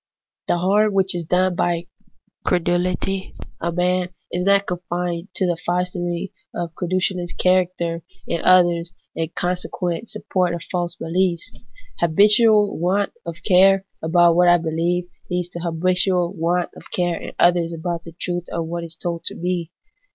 The harm which is done by creduhty in a man is not confined to the fostering of a credulous character in others, and consequent support of false beliefs. Habitual want of care about what I believe leads to habitual want of care in others about the truth of what is told to me.